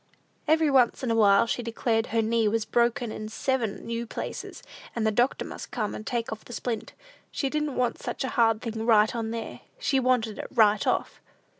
Every once in a while, she declared her knee was "broken in seven new places," and the doctor must come and take off the splint. She didn't want such a hard thing "right on there;" she wanted it "right off."